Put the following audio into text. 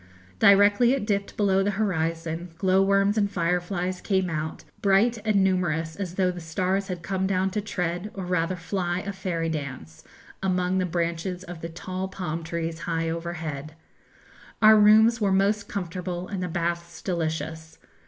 Directly it dipped below the horizon, glowworms and fireflies came out, bright and numerous as though the stars had come down to tread, or rather fly, a fairy dance among the branches of the tall palm trees high overhead. Our rooms were most comfortable, and the baths delicious.